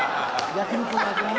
焼肉の味ね。